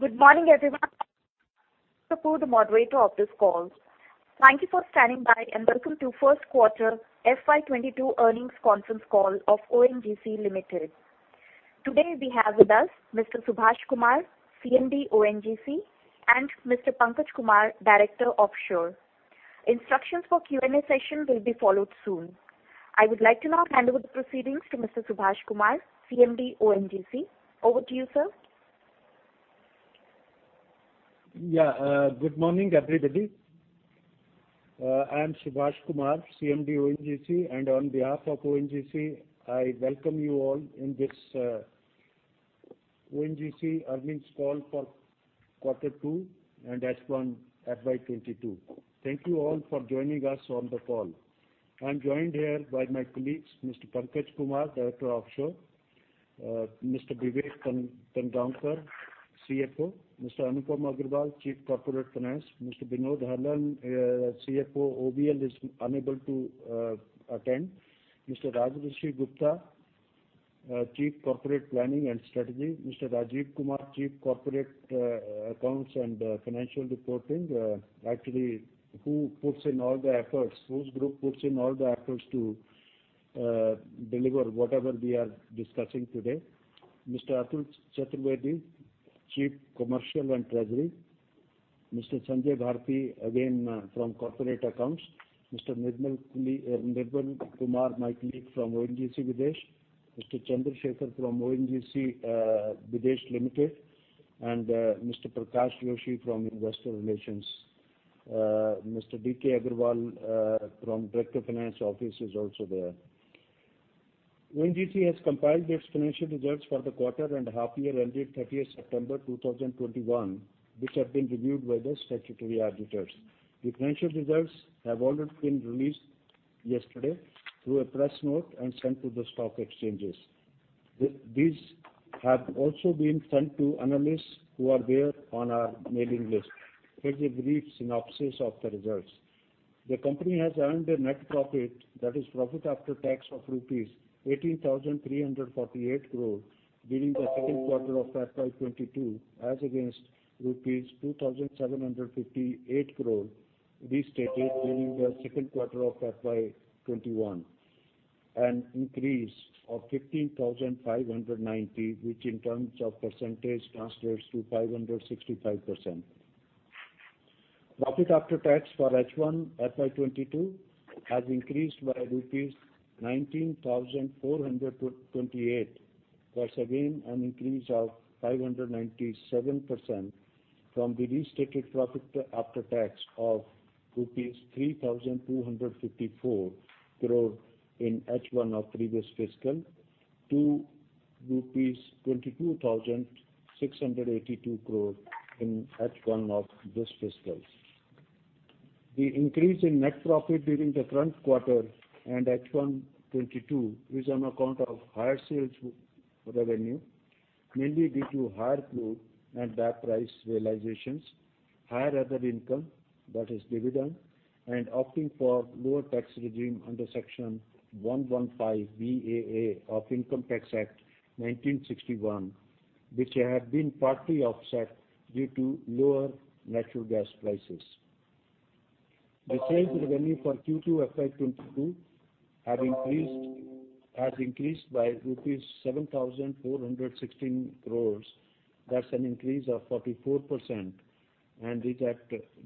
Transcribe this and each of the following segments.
Good morning, everyone. This is Purva, the moderator of this call. Thank you for standing by, and welcome to first quarter FY 2022 earnings conference call of ONGC Limited. Today, we have with us Mr. Subhash Kumar, CMD, ONGC, and Mr. Pankaj Kumar, Director Offshore. Instructions for Q&A session will be followed soon. I would like to now hand over the proceedings to Mr. Subhash Kumar, CMD, ONGC. Over to you, sir. Good morning, everybody. I am Subhash Kumar, CMD, ONGC. On behalf of ONGC, I welcome you all in this ONGC earnings call for quarter 2 and H1 FY 2022. Thank you all for joining us on the call. I'm joined here by my colleagues, Mr. Pankaj Kumar, Director Offshore, Mr. Vivek Chandrakant Tongaonkar, CFO, Mr. Anupam Agrawal, Chief Corporate Finance, Mr. Vinod Hallan, CFO, ONGC Videsh, is unable to attend, Mr. Rajarshi Gupta, Chief Corporate Planning and Strategy, Mr. Rajeev Kumar, Chief Corporate Accounts and Financial Reporting, actually who puts in all the efforts, whose group puts in all the efforts to deliver whatever we are discussing today, Mr. Atul Chaturvedi, Chief Commercial and Treasury, Mr. Sanjay Bharti, again, from Corporate Accounts, Mr. Nirmal Kumar, my colleague from ONGC Videsh, Mr. Chandrashekhar from ONGC Videsh Limited and Mr. Prakash Joshi from Investor Relations. Mr. D.K. Agrawal from Director Finance office is also there. ONGC has compiled its financial results for the quarter and half year ended 30 September 2021, which have been reviewed by the statutory auditors. The financial results have already been released yesterday through a press note and sent to the stock exchanges. These have also been sent to analysts who are there on our mailing list. Here's a brief synopsis of the results. The company has earned a net profit, that is profit after tax, of rupees 18,348 crore during the second quarter of FY 2022, as against rupees 2,758 crore restated during the second quarter of FY 2021, an increase of 15,590, which in terms of percentage translates to 565%. Profit after tax for H1 FY 2022 has increased by rupees 19,428. That's again an increase of 597% from the restated profit after tax of rupees 3,254 crore in H1 of previous fiscal to rupees 22,682 crore in H1 of this fiscal. The increase in net profit during the current quarter and H1 2022 is on account of higher sales revenue, mainly due to higher crude and gas price realizations, higher other income, that is dividend, and opting for lower tax regime under Section 115BAA of Income Tax Act, 1961, which have been partly offset due to lower natural gas prices. The sales revenue for Q2 FY 2022 has increased by rupees 7,416 crore. That's an increase of 44% and is at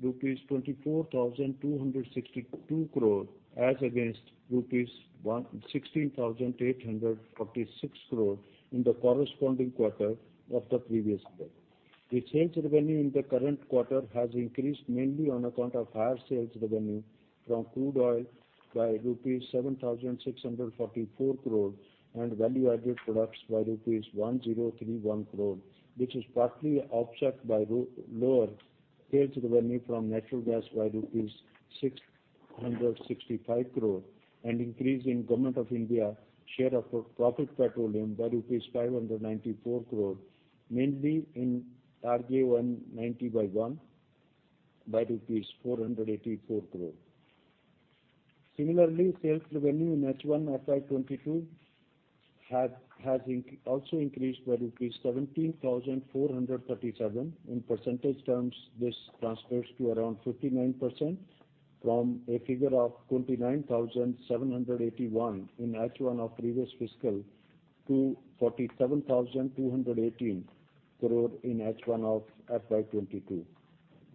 rupees 24,262 crore as against rupees 16,846 crore in the corresponding quarter of the previous year. The sales revenue in the current quarter has increased mainly on account of higher sales revenue from crude oil by rupees 7,644 crore and value-added products by rupees 1,031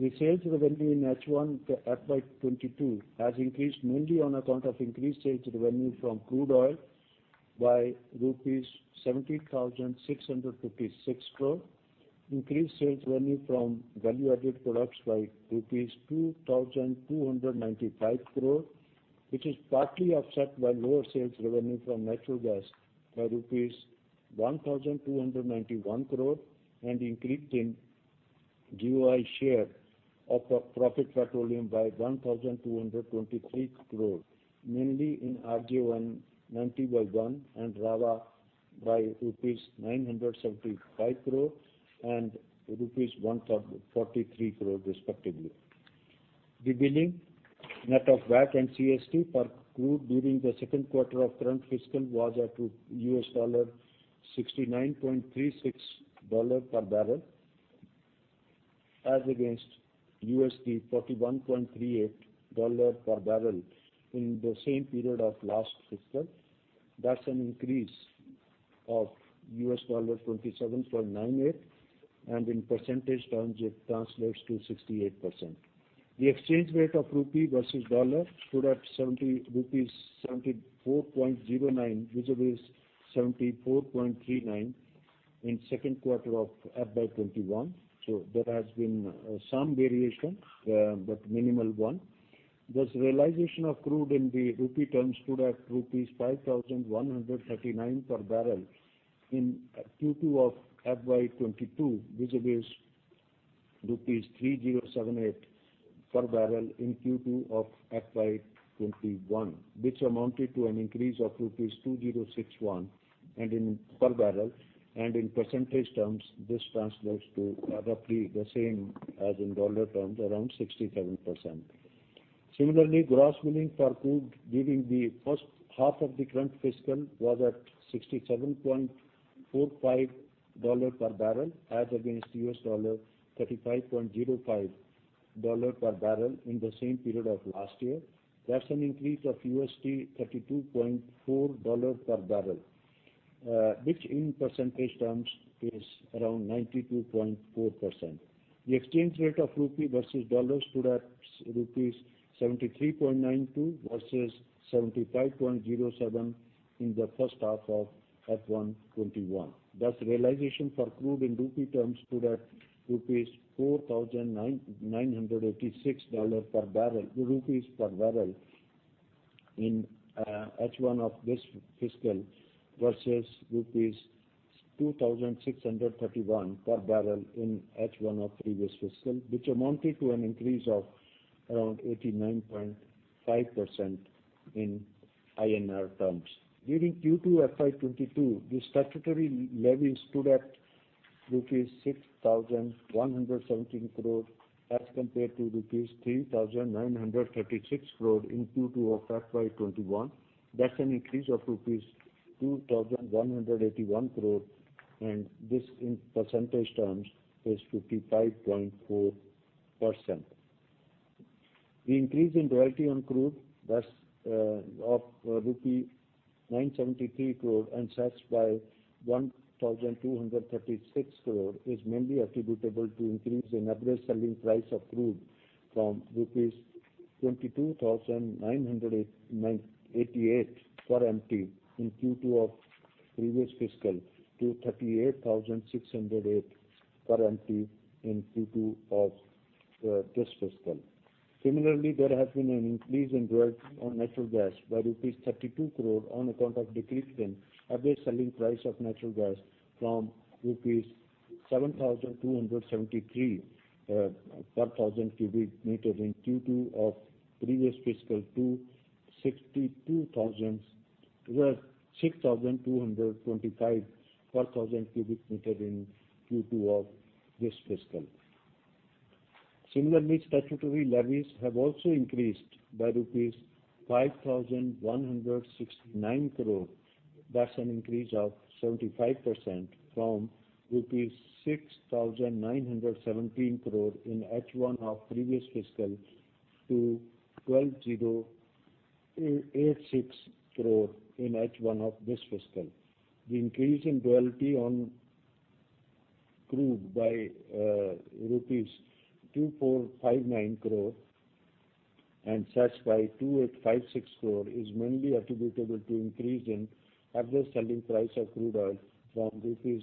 crore, which is partly offset by lower sales revenue from natural gas by INR 665 crore, and increase in Government of India share of profit petroleum by 594 crore, mainly in RG 190 B1 by INR 484 crore. Similarly, sales revenue in H1 FY 2022 has also increased by INR 17,437 crore. In percentage terms, this translates to around 59% from a figure of 29,781 crore in H1 of previous fiscal to 47,218 crore in H1 of FY 2022. The sales revenue in H1 FY 2022 has increased mainly on account of increased sales revenue from crude oil by INR 17,656 crore, increased sales revenue from value-added products by INR 2,295 crore, which is partly offset by lower sales revenue from natural gas by INR 1,291 crore, and increase in GOI share of profit petroleum by INR 1,223 crore, mainly in RG 191 and Rawa by INR 975 crore and rupees 143 crore respectively. The billing net of VAT and CST for crude during the second quarter of current fiscal was at $69.36 per barrel, as against $41.38 per barrel in the same period of last fiscal. That's an increase of $27.98, and in percentage terms, it translates to 68%. The exchange rate of rupee versus dollar stood at 74.09 rupees vis-à-vis 74.39 in second quarter of FY 2021. There has been some variation, but minimal one. Thus, realization of crude in the rupee terms stood at rupees 5,139 per barrel in Q2 of FY 2022, vis-à-vis rupees 3,078 per barrel in Q2 of FY 2021, which amounted to an increase of rupees 2,061 per barrel, and in percentage terms, this translates to roughly the same as in dollar terms, around 67%. Similarly, gross billing for crude during the first half of the current fiscal was at $67.45 per barrel as against $35.05 per barrel in the same period of last year. That's an increase of $32.4 per barrel, which in percentage terms is around 92.4%. The exchange rate of rupee versus dollar stood at rupees 73.92 versus 75.07 in the first half of FY 2021. Thus, realization for crude in rupee terms stood at INR 4,986 per barrel in H1 of this fiscal, versus rupees 2,631 per barrel in H1 of previous fiscal, which amounted to an increase of around 89.5% in INR terms. During Q2 FY 2022, the statutory levies stood at rupees 6,117 crore as compared to rupees 3,936 crore in Q2 of FY 2021. That's an increase of rupees 2,181 crore, and this in percentage terms is 55.4%. The increase in royalty on crude, thus, of rupee 973 crore and cess by 1,236 crore is mainly attributable to increase in average selling price of crude from rupees 22,988 per MT in Q2 of previous fiscal to 38,608 per MT in Q2 of this fiscal. Similarly, there has been an increase in royalty on natural gas by rupees 32 crore on account of decrease in average selling price of natural gas from rupees 7,273 per thousand cubic meter in Q2 of previous fiscal to 6,225 per thousand cubic meter in Q2 of this fiscal. Similarly, statutory levies have also increased by rupees 5,169 crore. That's an increase of 75% from rupees 6,917 crore in H1 of previous fiscal to 12,086 crore in H1 of this fiscal. The increase in royalty on crude by rupees 2459 crore and cess by 2856 crore is mainly attributable to increase in average selling price of crude oil from rupees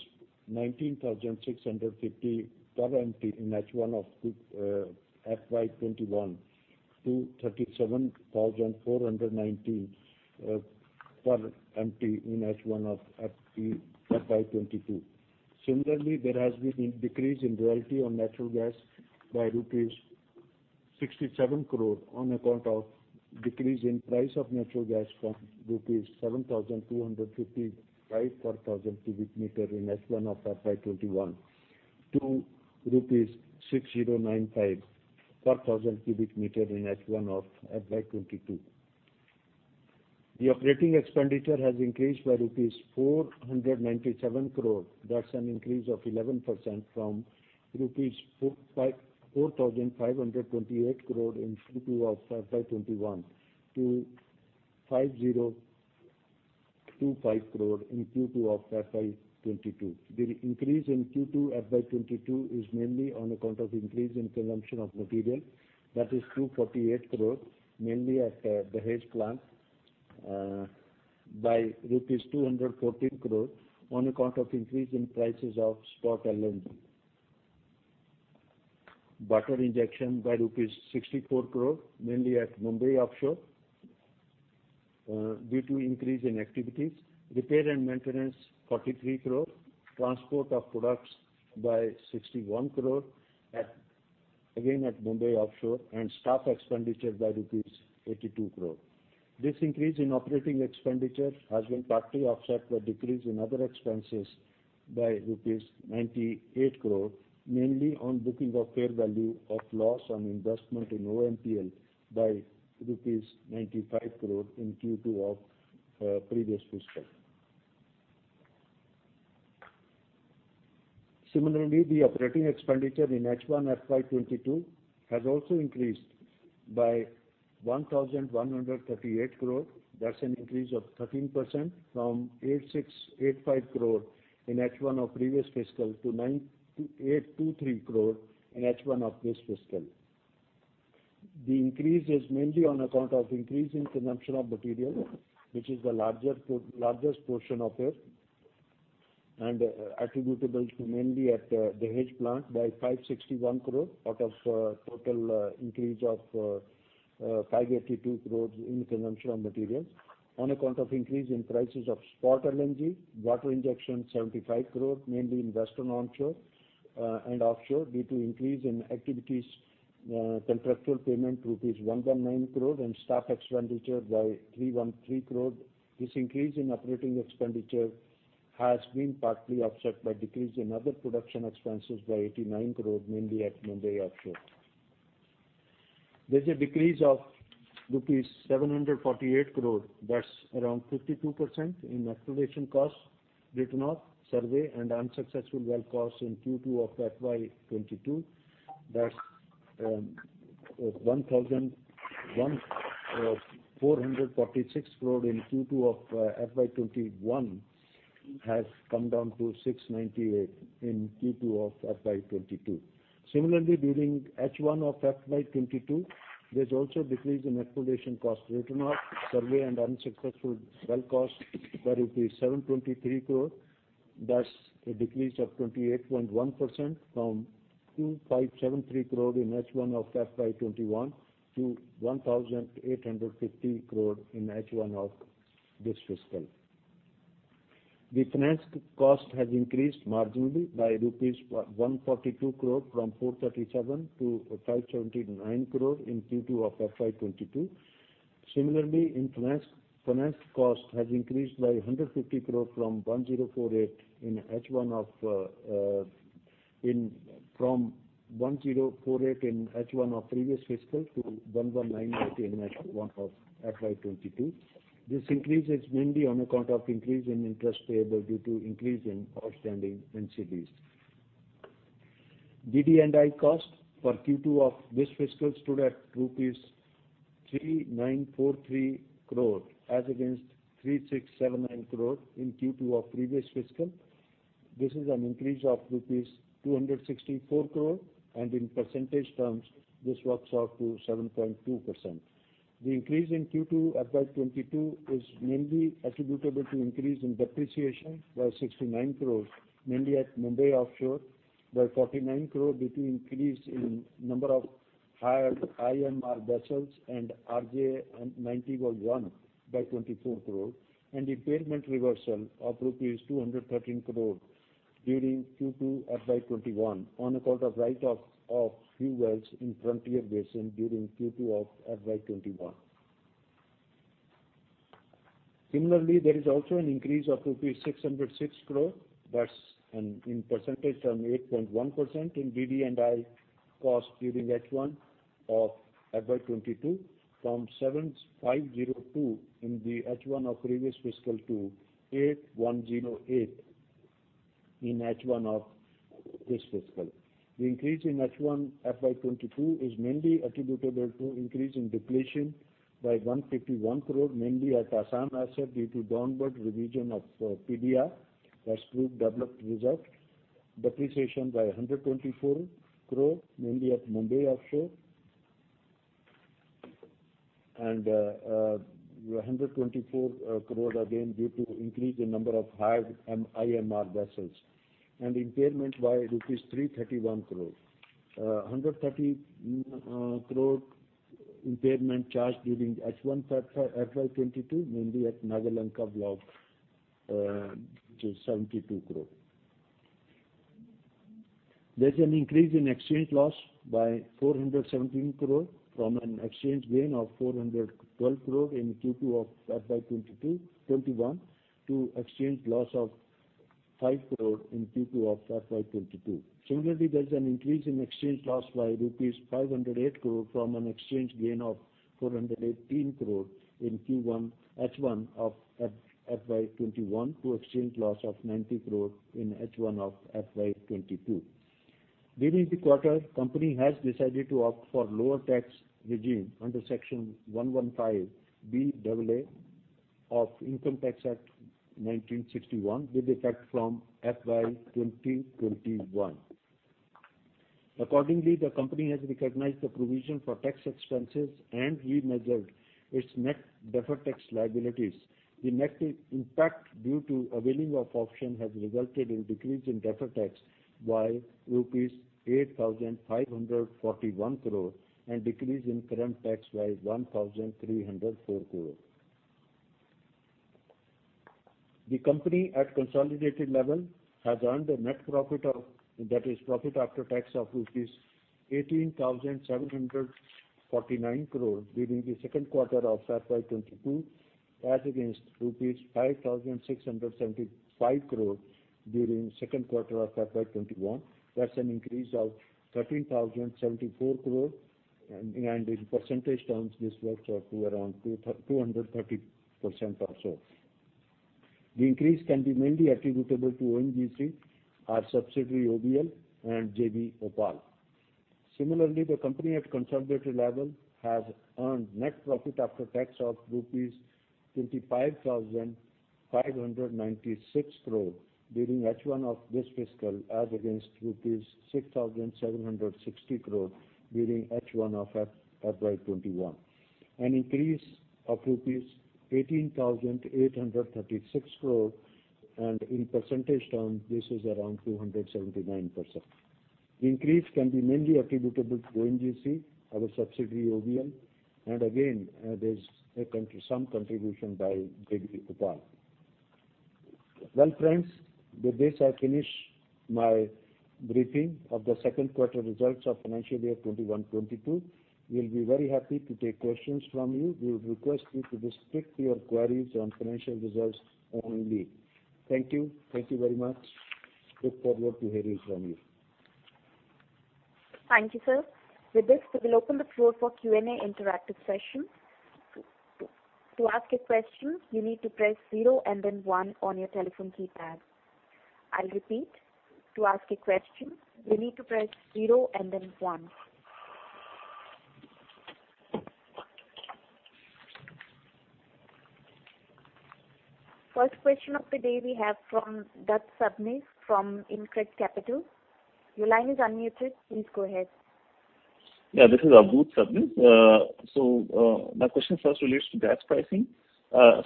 19,650 per MT in H1 of FY 2021 to 37,419 per MT in H1 of FY 2022. Similarly, there has been decrease in royalty on natural gas by rupees 67 crore on account of decrease in price of natural gas from rupees 7255 per thousand cubic meter in H1 of FY 2021 to rupees 6095 per thousand cubic meter in H1 of FY 2022. The operating expenditure has increased by rupees 497 crore. That's an increase of 11% from rupees 4,528 crore in Q2 of FY 2021 to 5,025 crore in Q2 of FY 2022. The increase in Q2 FY 2022 is mainly on account of increase in consumption of material. That is 248 crore, mainly at the Hazira plant, by rupees 214 crore on account of increase in prices of spot LNG. Water injection by rupees 64 crore, mainly at Mumbai offshore, due to increase in activities. Repair and maintenance, 43 crore. Transport of products by 61 crore at, again, at Mumbai offshore, and staff expenditure by rupees 82 crore. This increase in operating expenditure has been partly offset by decrease in other expenses by rupees 98 crore, mainly on booking of fair value of loss on investment in OPaL by 95 crore in Q2 of previous fiscal. Similarly, the operating expenditure in H1 FY 2022 has also increased by 1,138 crore. That's an increase of 13% from 8,685 crore in H1 of previous fiscal to 9,823 crore in H1 of this fiscal. The increase is mainly on account of increase in consumption of material, which is the largest portion of it, and attributable to mainly at the Hazira plant by 561 crore out of total increase of 582 crore in consumption of materials. On account of increase in prices of spot LNG, water injection 75 crore, mainly in Western Onshore and Offshore due to increase in activities, contractual payment rupees 119 crore and staff expenditure by 313 crore. This increase in operating expenditure has been partly offset by decrease in other production expenses by 89 crore, mainly at Mumbai Offshore. There's a decrease of rupees 748 crore, that's around 52%, in exploration costs, written-off survey and unsuccessful well costs in Q2 of FY 2022. That's 1,146 crore in Q2 of FY 2021 has come down to 698 in Q2 of FY 2022. Similarly, during H1 of FY 2022, there's also a decrease in exploration cost, written-off survey and unsuccessful well costs by 723 crore. That's a decrease of 28.1% from 2,573 crore in H1 of FY 2021 to 1,850 crore in H1 of this fiscal. The finance cost has increased marginally by rupees 142 crore from 437 to 579 crore in Q2 of FY 2022. Similarly, finance cost has increased by 150 crore from 1,048 in H1 of previous fiscal to 1,199 in H1 of FY 2022. This increase is mainly on account of increase in interest payable due to increase in outstanding NCDs. DD&I cost for Q2 of this fiscal stood at rupees 3,943 crore as against 3,679 crore in Q2 of previous fiscal. This is an increase of rupees 264 crore, and in percentage terms, this works out to 7.2%. The increase in Q2 FY 2022 is mainly attributable to increase in depreciation by 69 crore, mainly at Mumbai Offshore, by 49 crore due to increase in number of hired IMR vessels and RJ 91 by INR 24 crore, and impairment reversal of rupees 213 crore during Q2 FY 2021 on account of write-off of few wells in Frontier Basin during Q2 of FY 2021. Similarly, there is also an increase of INR 606 crore, that's in percentage term, 8.1% in DD&I cost during H1 of FY 2022 from 7,502 in the H1 of previous fiscal to 8,108 in H1 of this fiscal. The increase in H1 FY 2022 is mainly attributable to increase in depletion by 151 crore, mainly at Assam Asset due to downward revision of PDR, that's proved developed reserves. Depreciation by 124 crore, mainly at Mumbai Offshore, and 124 crore again due to increase in number of hired IMR vessels. Impairment by rupees 331 crore. 130 crore impairment charged during H1 FY 2022, mainly at Nagayalanka block, which is 72 crore. There's an increase in exchange loss by 417 crore from an exchange gain of 412 crore in Q2 of FY 2021 to exchange loss of 5 crore in Q2 of FY 2022. Similarly, there's an increase in exchange loss by rupees 508 crore from an exchange gain of 418 crore in Q1. H1 of FY 2021 to exchange loss of 90 crore in H1 of FY 2022. During the quarter, company has decided to opt for lower tax regime under Section 115BAA of Income Tax Act, 1961 with effect from FY 2021. Accordingly, the company has recognized the provision for tax expenses and remeasured its net deferred tax liabilities. The net impact due to availing of option has resulted in decrease in deferred tax by INR 8,541 crore and decrease in current tax by 1,304 crore. The company, at consolidated level, has earned a net profit of, that is profit after tax of rupees 18,749 crore during the second quarter of FY 2022, as against rupees 5,675 crore during second quarter of FY 2021. That's an increase of 13,074 crore. In percentage terms, this works out to around 230% or so. The increase can be mainly attributable to ONGC, our subsidiary OVL, and JV OPaL. Similarly, the company at consolidated level has earned net profit after tax of INR 25,596 crore during H1 of this fiscal, as against INR 6,760 crore during H1 of FY 2021. An increase of rupees 18,836 crore, and in percentage terms, this is around 279%. The increase can be mainly attributable to ONGC, our subsidiary OVL, and again, there's some contribution by JV OPaL. Well, friends, with this I finish my briefing of the second quarter results of financial year 2021-22. We'll be very happy to take questions from you. We would request you to restrict your queries on financial results only. Thank you. Thank you very much. Look forward to hearing from you. Thank you, sir. With this, we will open the floor for Q&A interactive session. To ask a question, you need to press zero and then one on your telephone keypad. I'll repeat. To ask a question, you need to press zero and then one. First question of the day we have from Abhishek Sabnis from InCred Capital. Your line is unmuted. Please go ahead. Yeah, this is Abhishek Sabnis. So, my question first relates to gas pricing.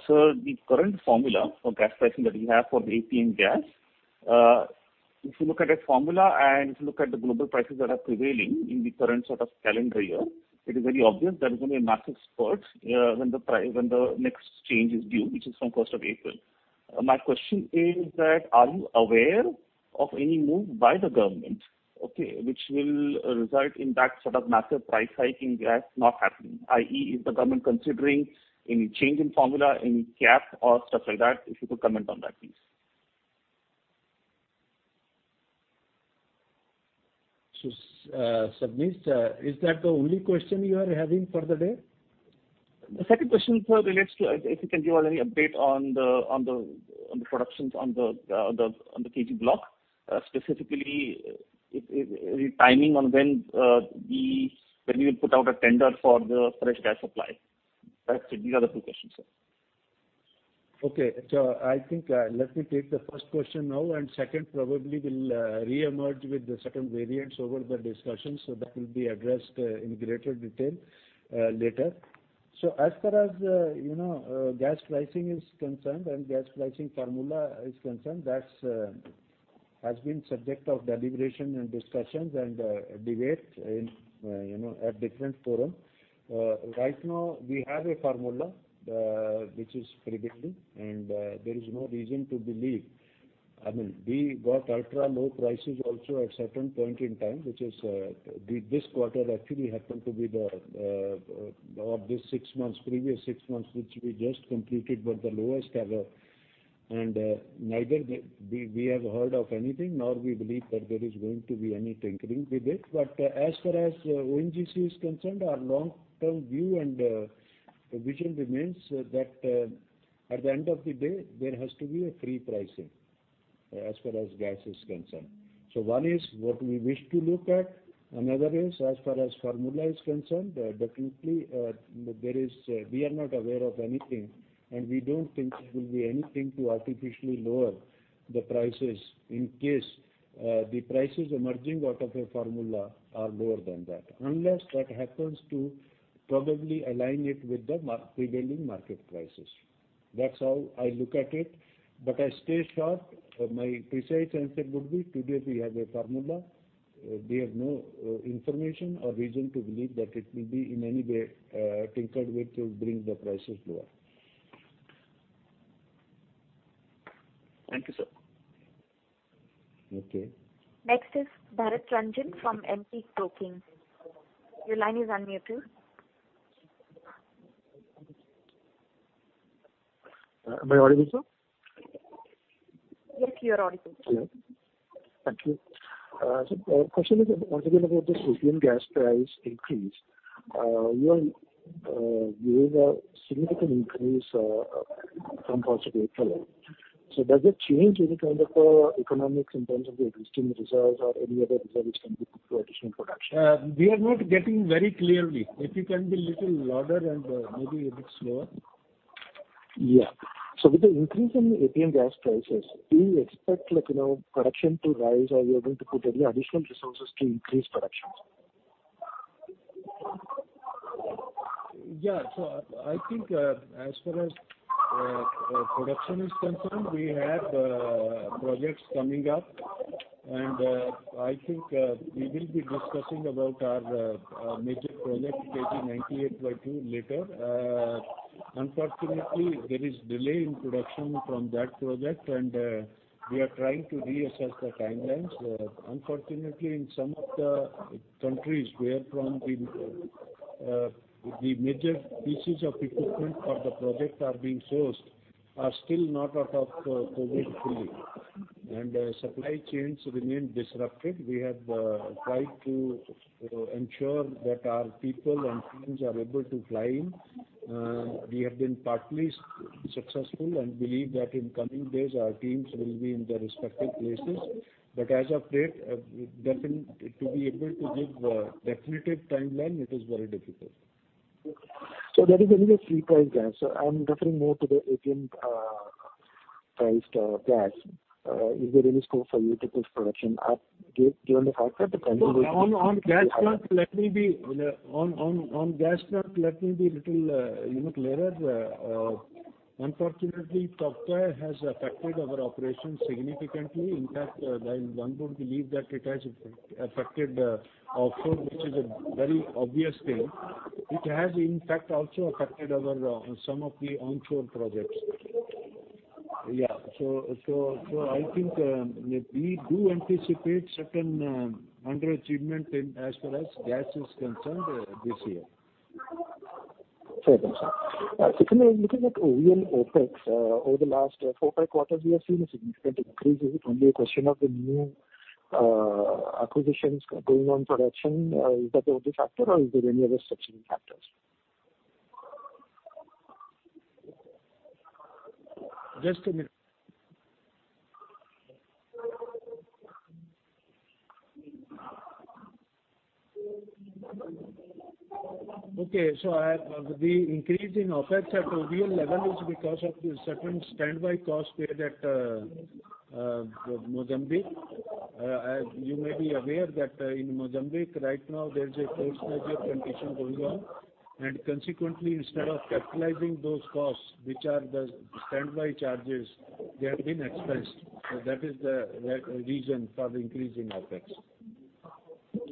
Sir, the current formula for gas pricing that we have for the APM gas, if you look at the formula and if you look at the global prices that are prevailing in the current sort of calendar year, it is very obvious there is gonna be a massive spurt, when the next change is due, which is from first of April. My question is that, are you aware of any move by the government, okay, which will result in that sort of massive price hike in gas not happening, i.e., is the government considering any change in formula, any cap or stuff like that? If you could comment on that, please. Sabnis, is that the only question you are having for the day? The second question, sir, relates to if you can give out any update on the production on the KG Block, specifically the timing on when you will put out a tender for the fresh gas supply. That's it. These are the two questions, sir. Okay. I think let me take the first question now and second probably will reemerge with the second variants over the discussion. That will be addressed in greater detail later. As far as you know gas pricing is concerned and gas pricing formula is concerned, that's has been subject of deliberation and discussions and debates in you know at different forum. Right now we have a formula which is prevailing, and there is no reason to believe. I mean, we got ultra-low prices also at certain point in time, which is this quarter actually happened to be the of this six months, previous six months, which we just completed, were the lowest ever. Neither did we have heard of anything, nor we believe that there is going to be any tinkering with it. As far as ONGC is concerned, our long-term view and, vision remains that, at the end of the day, there has to be a free pricing, as far as gas is concerned. One is what we wish to look at. Another is, as far as formula is concerned, definitely, we are not aware of anything, and we don't think there will be anything to artificially lower the prices in case, the prices emerging out of a formula are lower than that. Unless that happens to probably align it with the prevailing market prices. That's how I look at it. I stay short. My precise answer would be today we have a formula. We have no information or reason to believe that it will be in any way tinkered with to bring the prices lower. Thank you, sir. Okay. Next is Bharat Parekh from CLSA India. Your line is unmuted. Am I audible, sir? Yes, you are audible. Yeah. Thank you. My question is once again about this APM gas price increase. You are seeing a significant increase from first of April. Does it change any kind of economics in terms of the existing reserves or any other reserves can be put to additional production? We are not getting you very clearly. If you can be a little louder and maybe a bit slower. Yeah. With the increase in APM gas prices, do you expect, like, you know, production to rise, or you are going to put any additional resources to increase productions? I think, as far as production is concerned, we have projects coming up and I think we will be discussing about our major project KG 98Y2 later. Unfortunately, there is delay in production from that project, and we are trying to reassess the timelines. Unfortunately, in some of the countries where from the the major pieces of equipment for the project are being sourced are still not out of COVID fully, and supply chains remain disrupted. We have tried to ensure that our people and teams are able to fly in. We have been partly successful and believe that in coming days our teams will be in their respective places. As of date, to be able to give definitive timeline, it is very difficult. I'm referring more to the Asian priced gas. Is there any scope for you to push production at KG during the half year? The company will be- On gas front, let me be a little clearer. Unfortunately, Tauktae has affected our operations significantly. In fact, one would believe that it has affected the offshore, which is a very obvious thing. It has, in fact, also affected some of our onshore projects. I think we do anticipate certain underachievement in as far as gas is concerned this year. Fair enough, sir. Secondly, looking at OVL OpEx over the last 4-5 quarters, we have seen a significant increase. Is it only a question of the new acquisitions going on production? Is that the only factor, or is there any other such factors? The increase in OpEx at OVL level is because of the certain standby costs paid at Mozambique. As you may be aware that in Mozambique right now, there is a force majeure condition going on. Consequently, instead of capitalizing those costs, which are the standby charges, they have been expensed. That is the reason for the increase in OpEx.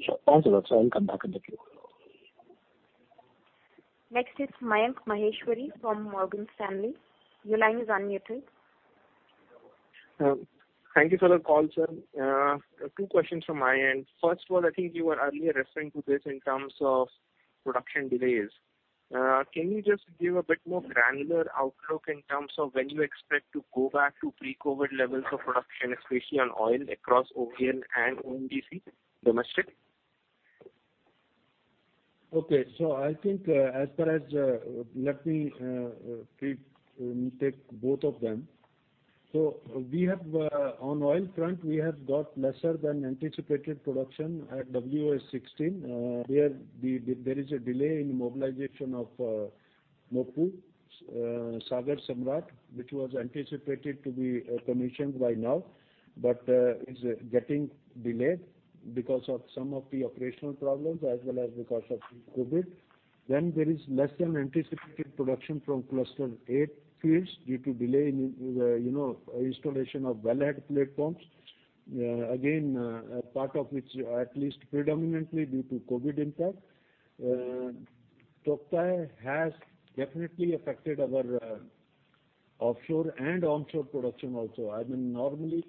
Sure. Thanks a lot, sir. I'll come back in the queue. Next is Mayank Maheshwari from Morgan Stanley. Your line is unmuted. Thank you for the call, sir. Two questions from my end. First of all, I think you were earlier referring to this in terms of production delays. Can you just give a bit more granular outlook in terms of when you expect to go back to pre-COVID levels of production, especially on oil across OVL and ONGC domestic? Okay. I think, as far as, let me take both of them. We have, on oil front, we have got lesser than anticipated production at WO-16. Where there is a delay in mobilization of MOPU Sagar Samrat, which was anticipated to be commissioned by now, but is getting delayed because of some of the operational problems as well as because of COVID. There is less than anticipated production from Cluster Eight fields due to delay in, you know, installation of wellhead platforms. Again, part of which at least predominantly due to COVID impact. Tauktae has definitely affected our offshore and onshore production also. I mean, normally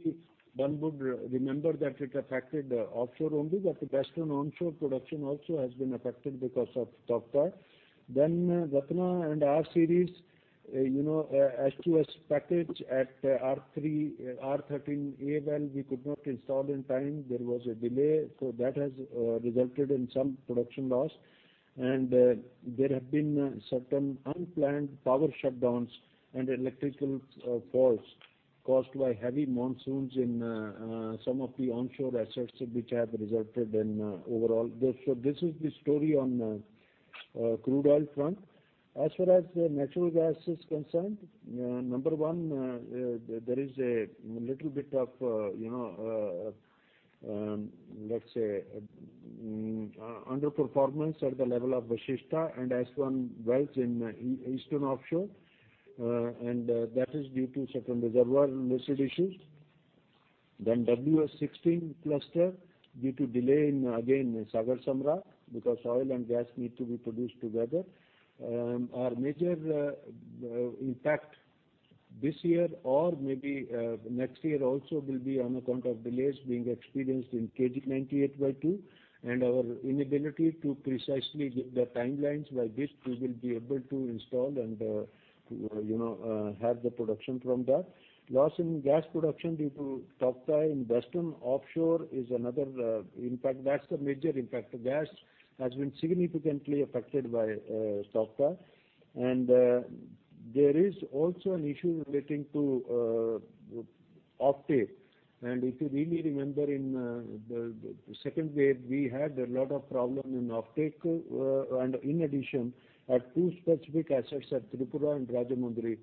one would remember that it affected the offshore only, but western onshore production also has been affected because of Tauktae. Ratna and R series, you know, HTS package at R-13-A well we could not install in time. There was a delay. That has resulted in some production loss. There have been certain unplanned power shutdowns and electrical faults caused by heavy monsoons in some of the onshore assets which have resulted in overall production loss. This is the story on crude oil front. As far as natural gas is concerned, number one, there is a little bit of, you know, let's say, underperformance at the level of Vashishta and S-1 wells in eastern offshore, and that is due to certain reservoir and well issues. WS-16 cluster due to delay in again, Sagar Samrat, because oil and gas need to be produced together. Our major impact this year or maybe next year also will be on account of delays being experienced in KG 98Y2 and our inability to precisely give the timelines by which we will be able to install and, you know, have the production from that. Loss in gas production due to Tauktae in Western Offshore is another impact. That's the major impact. Gas has been significantly affected by Tauktae. There is also an issue relating to offtake. If you really remember in the second wave, we had a lot of problem in offtake. In addition, at two specific assets, at Tripura and Rajahmundry,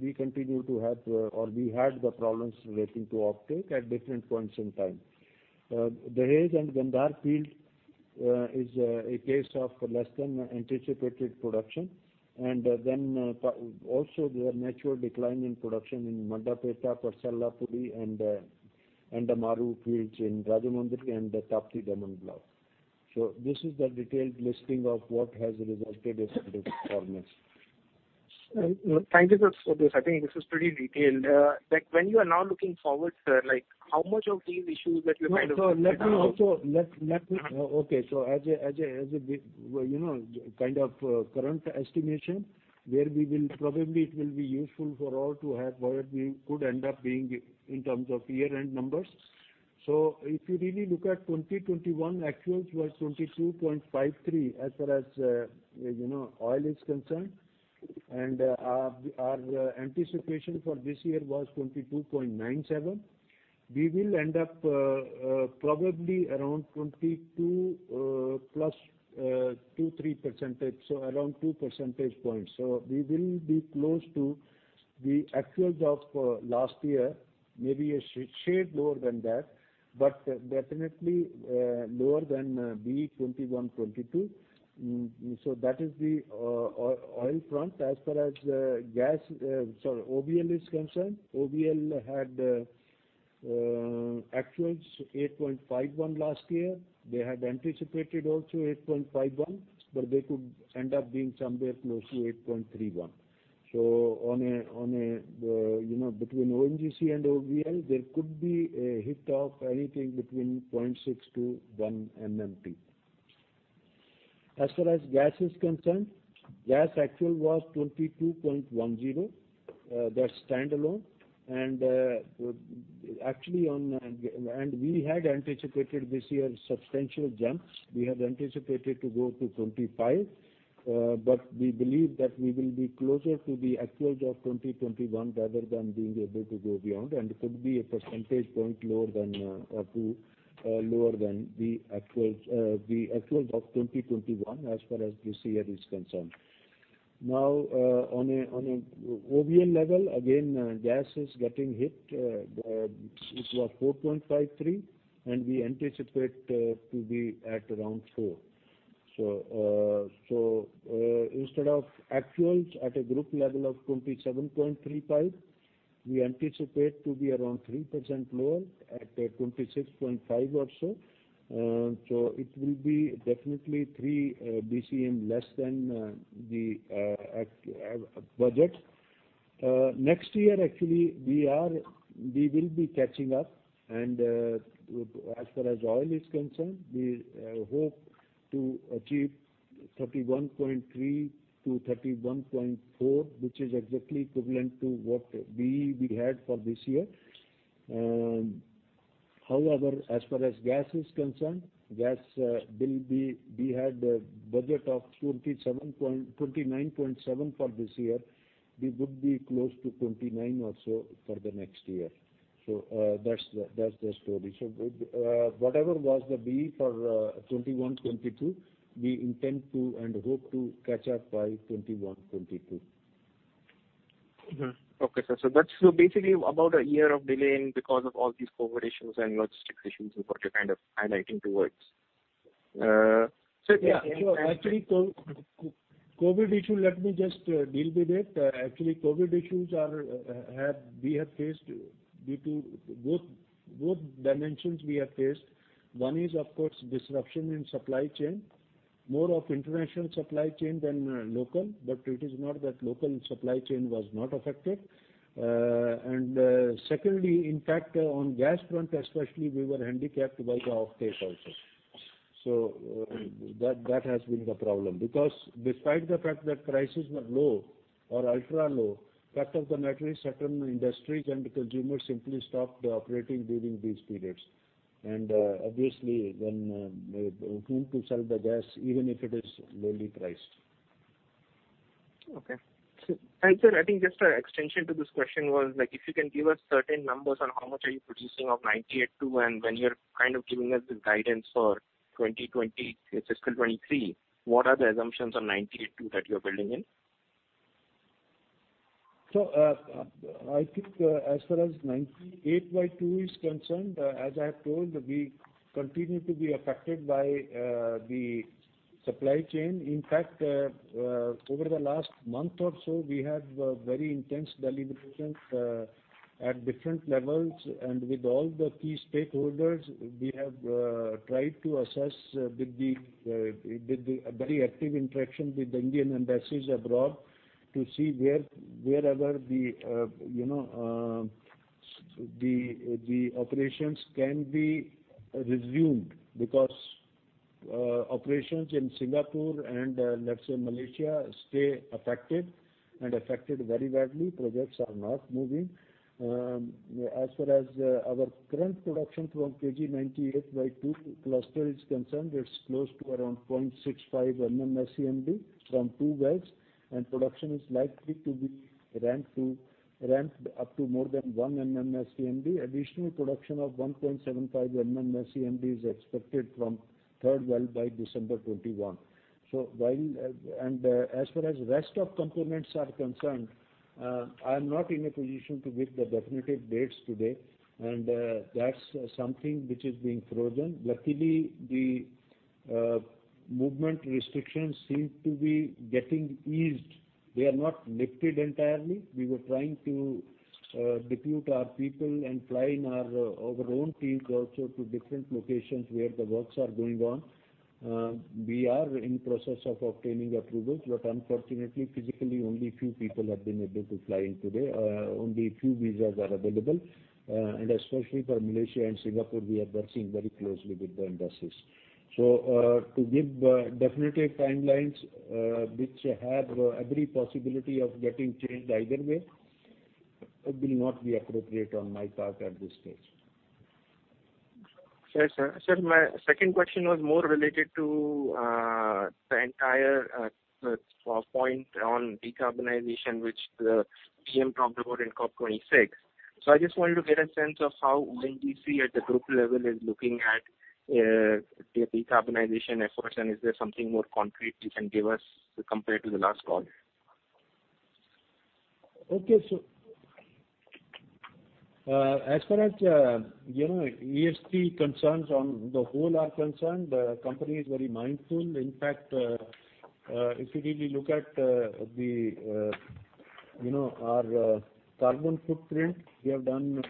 we continue to have or we had the problems relating to offtake at different points in time. Dahej and Gandhar field is a case of less than anticipated production. Also there are natural decline in production in Mandapeta, Kaikalur, Puri, and the Mori fields in Rajahmundry and the Tapti-Daman Block. This is the detailed listing of what has resulted in this performance. Thank you, sir, for this. I think this is pretty detailed. Like when you are now looking forward, sir, like how much of these issues that you kind of No. Let me. Uh-huh. Probably it will be useful for all to have what we could end up being in terms of year-end numbers. If you really look at 2021 actuals was 22.53 as far as oil is concerned. Our anticipation for this year was 22.97. We will end up probably around 22 plus 2-3%, so around 2 percentage points. We will be close to the actuals of last year, maybe a shade lower than that. Definitely lower than BE 2021-22. That is the oil front. As far as gas, sorry, OVL is concerned, OVL had actuals 8.51 last year. They had anticipated also 8.51, but they could end up being somewhere close to 8.31. On a between ONGC and OVL, there could be a hit of anything between 0.6-1 MMT. As far as gas is concerned, gas actual was 22.10, that's standalone. We had anticipated this year substantial jumps. We had anticipated to go to 25. We believe that we will be closer to the actuals of 2021 rather than being able to go beyond, and could be a percentage point lower than or 2 lower than the actuals of 2021 as far as this year is concerned. Now, on a OVL level, again, gas is getting hit. It was 4.53, and we anticipate to be at around 4. Instead of actuals at a group level of 27.35, we anticipate to be around 3% lower at 26.5 or so. It will be definitely 3 BCM less than the budget. Next year, actually, we will be catching up. As far as oil is concerned, we hope to achieve 31.3-31.4, which is exactly equivalent to what BE we had for this year. However, as far as gas is concerned, we had a budget of 29.7 for this year. We would be close to 29 or so for the next year. That's the story. Whatever was the BE for 2021-22, we intend to and hope to catch up by 2021-22. Mm-hmm. Okay, sir. That's basically about a year of delay because of all these COVID issues and logistic issues and what you're kind of highlighting towards. Yeah. Actually COVID issue, let me just deal with it. Actually, COVID issues we have faced due to both dimensions. One is, of course, disruption in supply chain, more of international supply chain than local. It is not that local supply chain was not affected. Secondly, in fact, on gas front especially, we were handicapped by the offtake also. That has been the problem. Because despite the fact that prices were low or ultra-low, part of the matter is certain industries and consumers simply stopped operating during these periods. Obviously, to whom to sell the gas, even if it is lowly priced. Okay. Sir, I think just an extension to this question was, like, if you can give us certain numbers on how much are you producing of 98-2, and when you're kind of giving us the guidance for 2020, fiscal 2023, what are the assumptions on 98-2 that you're building in? I think, as far as 98 by 2 is concerned, as I have told, we continue to be affected by the supply chain. In fact, over the last month or so, we had very intense deliberations at different levels. With all the key stakeholders, we have tried to assess with a very active interaction with the Indian embassies abroad to see wherever the you know the operations can be resumed. Because operations in Singapore and let's say Malaysia stay affected, and affected very badly. Projects are not moving. As far as our current production from KG 98/2 cluster is concerned, it's close to around 0.65 MMSCMD from 2 wells, and production is likely to be ramped up to more than 1 MMSCMD. Additional production of 1.75 MMSCMD is expected from third well by December 2021. While, as far as rest of components are concerned, I'm not in a position to give the definitive dates today, and that's something which is being frozen. Luckily, the movement restrictions seem to be getting eased. They are not lifted entirely. We were trying to depute our people and fly in our own teams also to different locations where the works are going on. We are in process of obtaining approvals, but unfortunately, physically, only a few people have been able to fly in today. Only a few visas are available. Especially for Malaysia and Singapore, we are working very closely with the embassies. To give definitive timelines, which have every possibility of getting changed either way, it will not be appropriate on my part at this stage. Sure. Sir, my second question was more related to the entire point on decarbonization, which the PM talked about in COP26. I just wanted to get a sense of how ONGC at the group level is looking at the decarbonization efforts, and is there something more concrete you can give us compared to the last call? As far as, you know, ESP concerns on the whole are concerned, the company is very mindful. In fact, if you really look at the, you know, our carbon footprint, we have done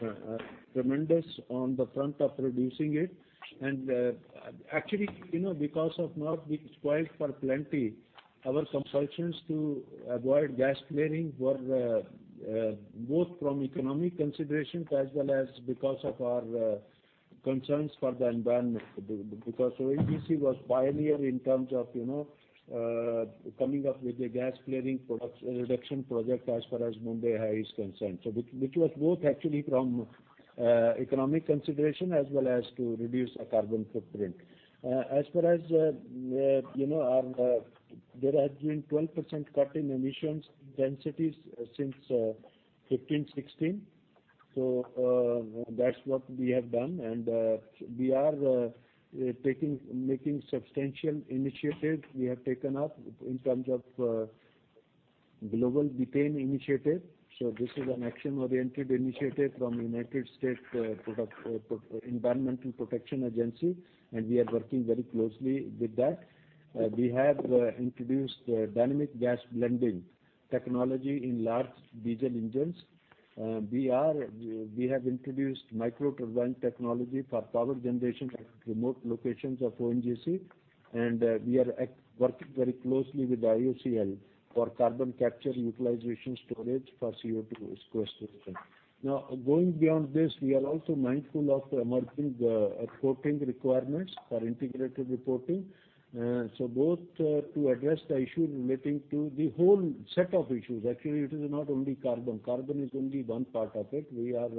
tremendous on the front of reducing it. Actually, you know, because of not being spoiled for plenty, our compulsions to avoid gas flaring were both from economic considerations as well as because of our concerns for the environment. Because ONGC was pioneer in terms of, you know, coming up with a gas flaring reduction project as far as Mumbai High is concerned. Which was both actually from economic consideration as well as to reduce our carbon footprint. As far as you know our there has been 12% cut in emissions densities since 2015-16. That's what we have done. We are making substantial initiatives we have taken up in terms of Global Methane Initiative. This is an action-oriented initiative from United States Environmental Protection Agency, and we are working very closely with that. We have introduced dynamic gas blending technology in large diesel engines. We have introduced microturbine technology for power generation at remote locations of ONGC. We are working very closely with IOCL for carbon capture utilization storage for CO2 sequestration. Now, going beyond this, we are also mindful of emerging reporting requirements for integrated reporting. Both to address the issue relating to the whole set of issues. Actually, it is not only carbon. Carbon is only one part of it. We are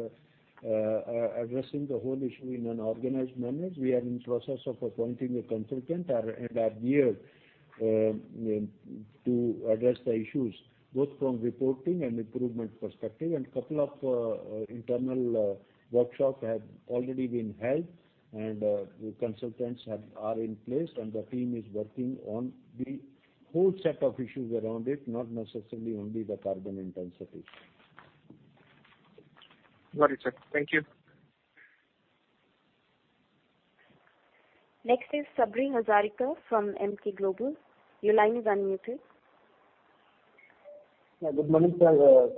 addressing the whole issue in an organized manner. We are in process of appointing a consultant and are geared to address the issues both from reporting and improvement perspective. A couple of internal workshops have already been held, and the consultants are in place, and the team is working on the whole set of issues around it, not necessarily only the carbon intensity. Got it, sir. Thank you. Next is Sabri Hazarika from Emkay Global. Your line is unmuted. Yeah, good morning, sir.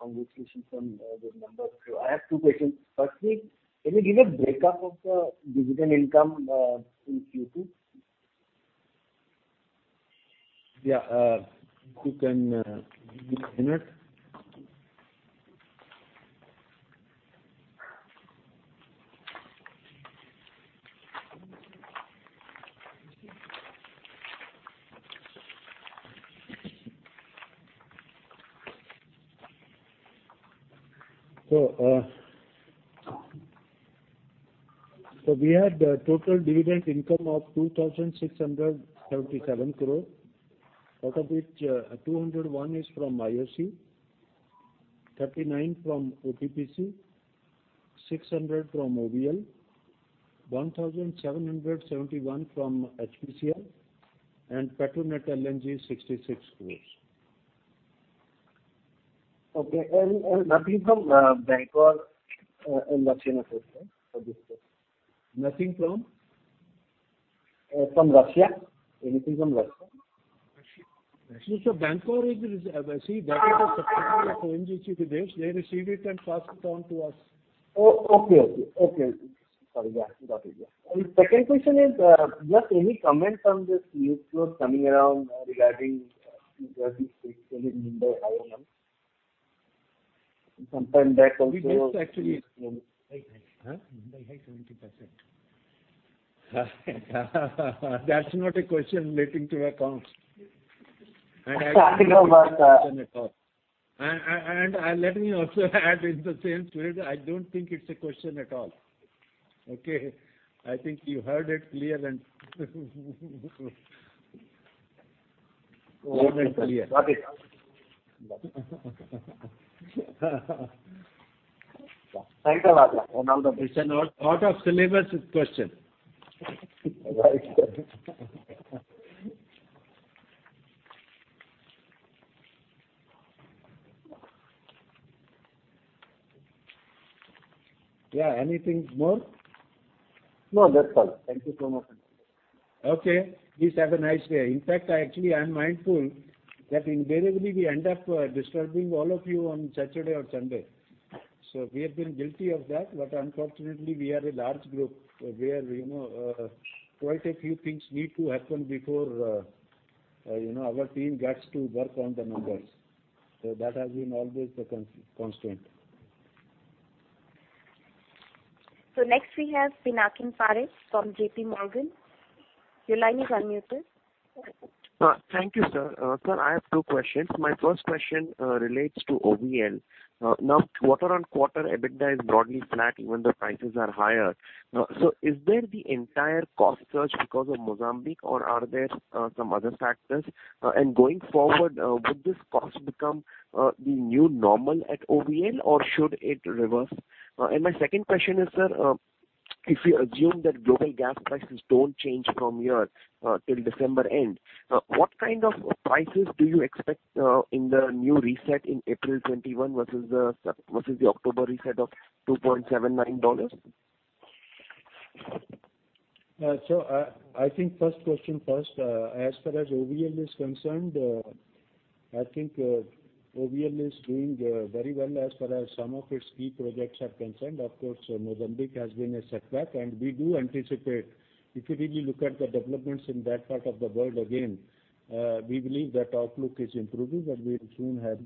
Congratulations on those numbers. I have two questions. Firstly, can you give a breakup of the dividend income in Q2? Yeah, if you can give me a minute. We had total dividend income of 2,677 crore, out of which, 201 is from IOC, 39 from OTPC, 600 from OPaL, 1,771 from HPCL, and Petronet LNG, 66 crore. Okay. Nothing from Bangkok or Russia for this quarter? Nothing from? From Russia. Anything from Russia? Russia. Imperial Energy is subsidiary of ONGC Videsh. They receive it and pass it on to us. Oh, okay. Sorry about that. Second question is, just any comment on this news flow coming around regarding Mumbai High. Sometime back also. This actually is. Mumbai High. Huh? Mumbai High 70%. That's not a question relating to accounts. Sorry about that. I don't think it's a question at all. Let me also add in the same spirit, I don't think it's a question at all. Okay? I think you heard it clear and loud and clear. Got it. Sorry about that. It's an out of syllabus question. Right, sir. Yeah. Anything more? No, that's all. Thank you so much. Okay. Please have a nice day. In fact, I actually am mindful that invariably we end up disturbing all of you on Saturday or Sunday. We have been guilty of that. Unfortunately, we are a large group where, you know, quite a few things need to happen before, you know, our team gets to work on the numbers. That has been always a constraint. Next we have Pinakin Parekh from JP Morgan. Your line is unmuted. Thank you, sir. Sir, I have two questions. My first question relates to OVL. Now quarter on quarter, EBITDA is broadly flat even though prices are higher. So is there the entire cost surge because of Mozambique, or are there some other factors? And going forward, would this cost become the new normal at OVL, or should it reverse? And my second question is, sir, if you assume that global gas prices don't change from here till December end, what kind of prices do you expect in the new reset in April 2021 versus the September versus the October reset of $2.79? I think first question first. As far as OVL is concerned, I think OVL is doing very well as far as some of its key projects are concerned. Of course, Mozambique has been a setback, and we do anticipate, if you really look at the developments in that part of the world, again, we believe that outlook is improving and we'll soon have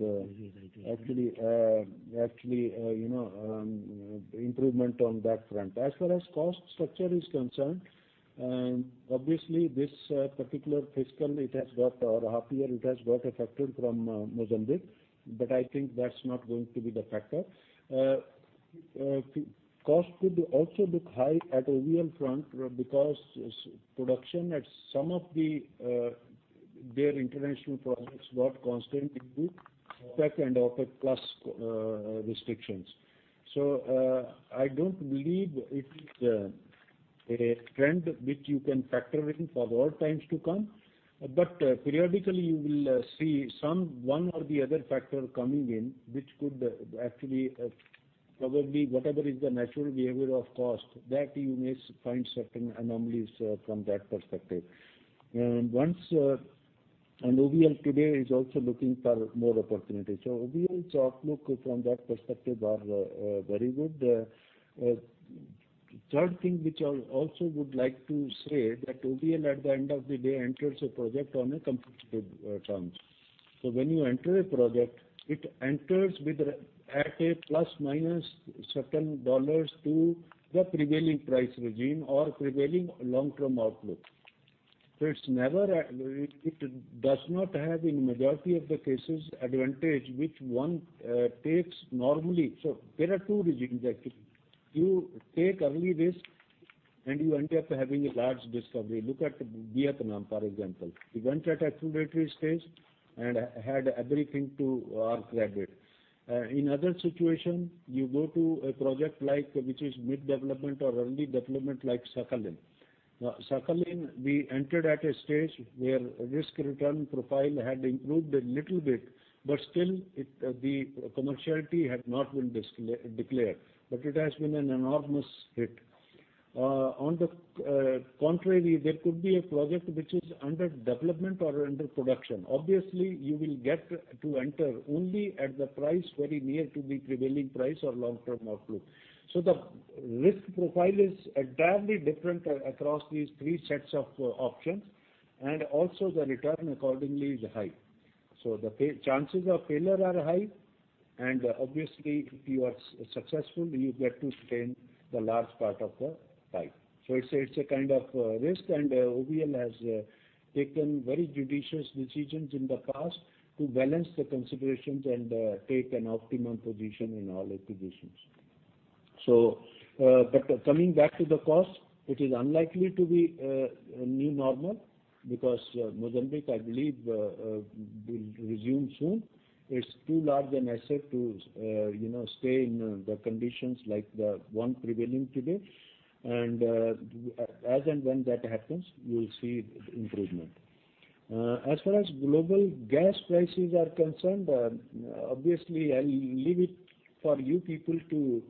actually you know improvement on that front. As far as cost structure is concerned, obviously this particular fiscal it has got, or half year it has got affected from Mozambique, but I think that's not going to be the factor. Cost could also look high at OVL front because production at some of their international projects got constrained due to CapEx and OpEx plus restrictions. I don't believe it's a trend which you can factor in for all times to come. Periodically you will see some, one or the other factor coming in, which could actually probably whatever is the natural behavior of cost, that you may find certain anomalies from that perspective. OVL today is also looking for more opportunities. OVL's outlook from that perspective are very good. Third thing, which I also would like to say, that OVL at the end of the day enters a project on a competitive terms. When you enter a project, it enters at a plus minus certain dollars to the prevailing price regime or prevailing long-term outlook. It's never. It does not have, in majority of the cases, advantage which one takes normally. There are two regimes actually. You take early risk and you end up having a large discovery. Look at Vietnam, for example. We went at exploratory stage and had everything to our credit. In other situation, you go to a project like, which is mid-development or early development like Sakhalin. Sakhalin, we entered at a stage where risk return profile had improved a little bit, but still it, the commerciality had not been declared. But it has been an enormous hit. On the contrary, there could be a project which is under development or under production. Obviously, you will get to enter only at the price very near to the prevailing price or long term outlook. The risk profile is entirely different across these three sets of options, and also the return accordingly is high. The chances of failure are high. Obviously if you are successful, you get to retain the large part of the pie. It's a kind of risk. OVL has taken very judicious decisions in the past to balance the considerations and take an optimum position in all acquisitions. Coming back to the cost, it is unlikely to be a new normal because Mozambique, I believe, will resume soon. It's too large an asset to you know, stay in the conditions like the one prevailing today. As and when that happens, you will see improvement. As far as global gas prices are concerned, obviously, I'll leave it for you people to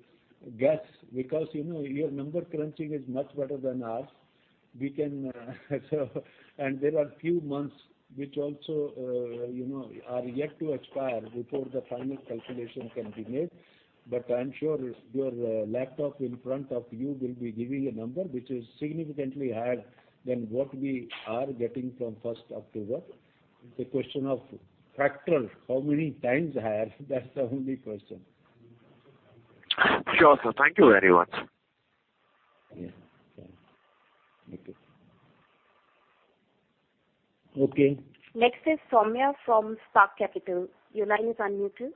guess because you know, your number crunching is much better than ours. We can so. There are few months which also are yet to expire before the final calculation can be made. I'm sure your laptop in front of you will be giving a number which is significantly higher than what we are getting from first October. It's a question of factor, how many times higher? That's the only question. Sure, sir. Thank you very much. Yeah. Okay. Okay. Next is Soumya from Spark Capital. Your line is unmuted.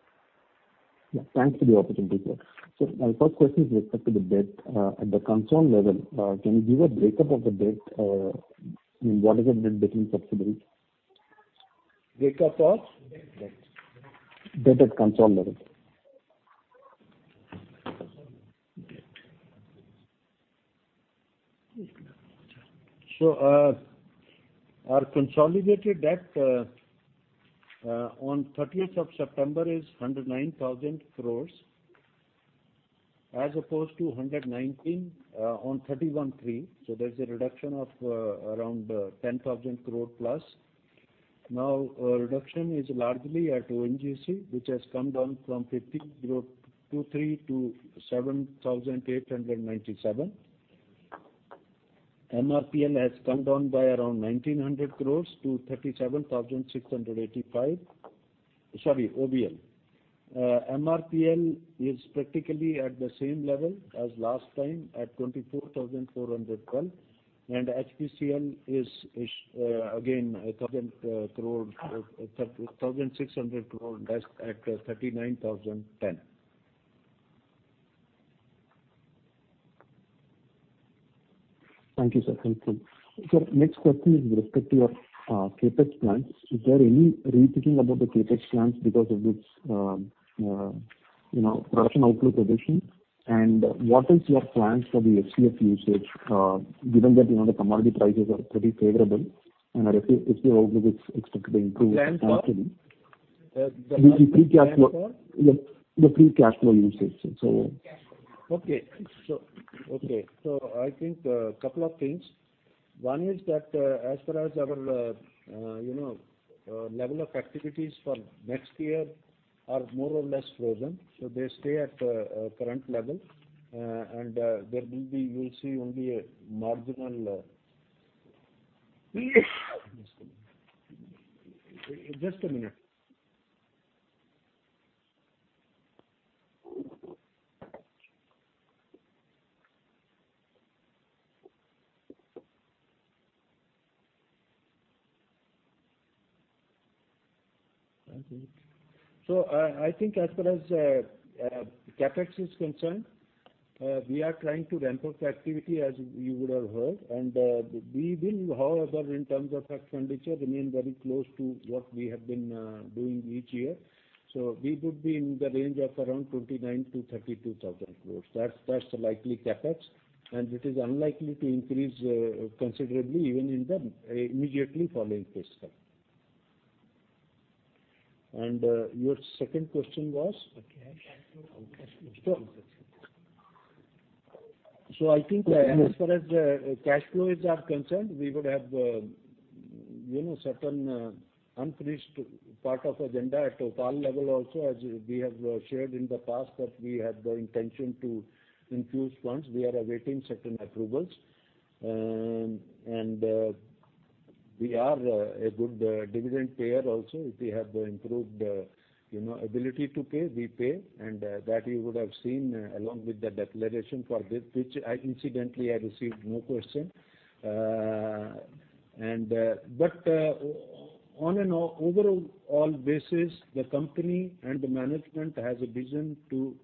Yeah, thanks for the opportunity, sir. My first question is with respect to the debt. At the consolidated level, can you give a breakup of the debt? I mean, what is the debt between subsidiaries? Breakup of? Debt at concerned level. Our consolidated debt on 30 September is 109,000 crore as opposed to 119,000 crore on 31 March. There's a reduction of around 10,000 crore plus. Reduction is largely at ONGC, which has come down from 50,023 to 7,897. MRPL has come down by around 1,900 crore to 37,685. Sorry, OVL. MRPL is practically at the same level as last time at 24,412, and HPCL is again 1,600 crore less at INR 39,010. Thank you, sir. Thank you. Next question is with respect to your CapEx plans. Is there any rethinking about the CapEx plans because of this, you know, production outlook position? And what is your plans for the FCF usage, given that, you know, the commodity prices are pretty favorable, and if your outlook is expected to improve- Plans for? -after the- the plans for? The free cash flow usage, so. Cash flow. Okay. I think a couple of things. One is that, as far as our, you know, level of activities for next year are more or less frozen, so they stay at current levels. You'll see only a marginal. Just a minute. I think as far as CapEx is concerned, we are trying to ramp up activity, as you would have heard. We will, however, in terms of our expenditure, remain very close to what we have been doing each year. We would be in the range of around 29,000 crore-32,000 crore. That's the likely CapEx, and it is unlikely to increase considerably even in the immediately following fiscal. Your second question was? The cash flow. I think as far as cash flows are concerned, we would have you know certain unfinished part of agenda at OPaL level also, as we have shared in the past, that we have the intention to infuse funds. We are awaiting certain approvals. We are a good dividend payer also. If we have improved you know ability to pay, we pay. That you would have seen along with the declaration for this, which I incidentally received no question. On an overall basis, the company and the management has a vision to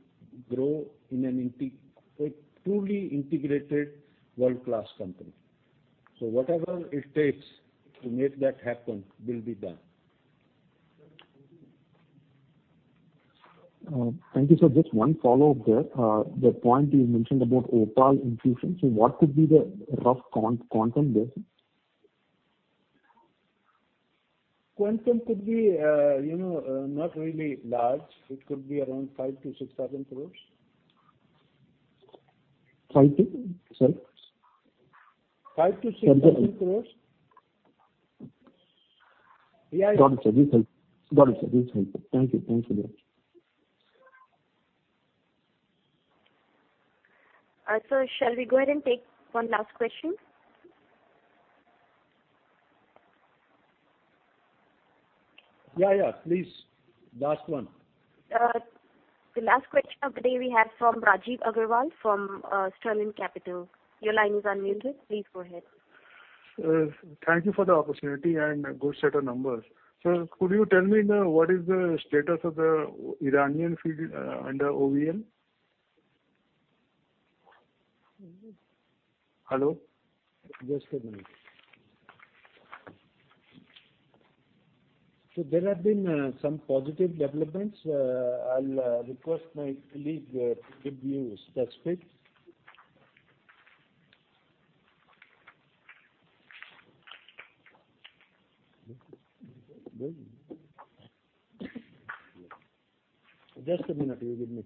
grow in a truly integrated world-class company. Whatever it takes to make that happen will be done. Thank you, sir. Just one follow-up there. The point you mentioned about OPaL infusion. What could be the rough quantum there? Quantum could be, you know, not really large. It could be around 5,000- 6,000 crore. 5 to, sir? 5,000 crores-6,000 crores. Got it, sir. This helps. Thank you. Thanks for that. Sir, shall we go ahead and take one last question? Yeah, yeah. Please. Last one. The last question of the day we have from Vishnu Kumar from Spark Capital. Your line is unmuted. Please go ahead. Thank you for the opportunity and good set of numbers. Sir, could you tell me now what is the status of the Iranian field under OVL? Hello? Just a minute. There have been some positive developments. I'll request my colleague to give you specifics. Just a minute. You give me.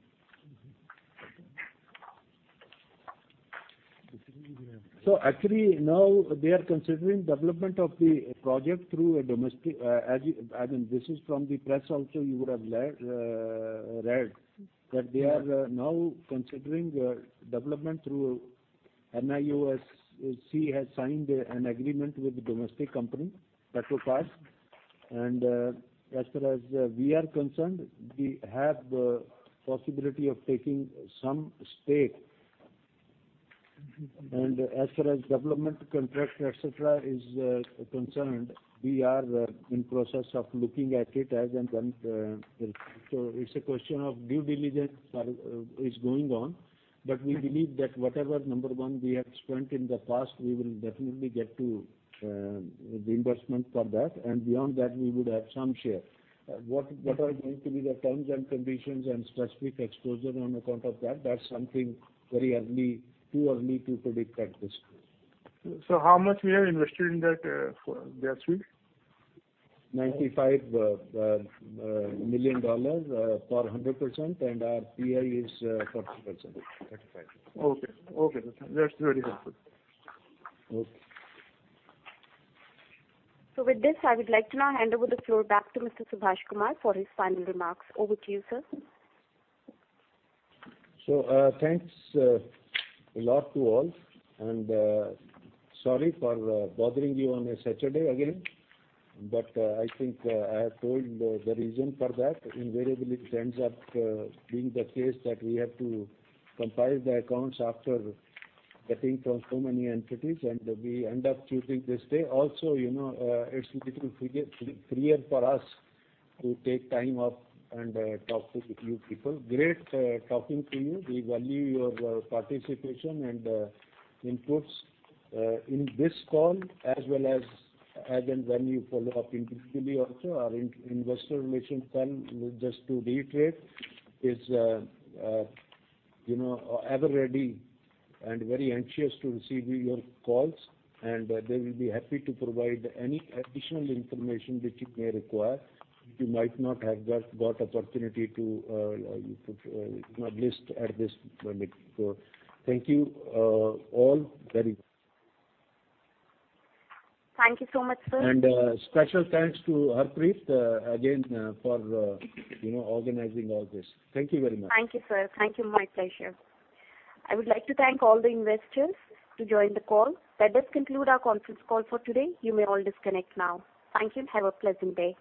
Actually, now they are considering development of the project through a domestic. I mean, this is from the press also, you would have read, that they are now considering development through NIOC has signed an agreement with the domestic company, Petropars. As far as we are concerned, we have possibility of taking some stake. As far as development contract, et cetera, is concerned, we are in process of looking at it as and when will. It's a question of due diligence that is going on. We believe that whatever, number one, we have spent in the past, we will definitely get to reimbursement for that. Beyond that, we would have some share. What are going to be the terms and conditions and specific exposure on account of that's something very early, too early to predict at this point. How much we have invested in that for that field? $95 million for 100% and our PI is 40%. 35%. Okay. That's very helpful. Okay. With this, I would like to now hand over the floor back to Mr. Subhash Kumar for his final remarks. Over to you, sir. Thanks a lot to all, and sorry for bothering you on a Saturday again. I think I have told the reason for that. Invariably, it ends up being the case that we have to compile the accounts after getting from so many entities, and we end up choosing this day. Also, you know, it's a little difficult for us to take time off and talk to you people. Great talking to you. We value your participation and inputs in this call as well as when you follow up individually also. Our Investor Relations team, just to reiterate, is, you know, ever ready and very anxious to receive your calls, and they will be happy to provide any additional information which you may require, which you might not have got opportunity to, you know, elicit at this moment. Thank you all very much. Thank you so much, sir. Special thanks to Harpreet, again, for you know, organizing all this. Thank you very much. Thank you, sir. Thank you. My pleasure. I would like to thank all the investors to join the call. That does conclude our conference call for today. You may all disconnect now. Thank you. Have a pleasant day.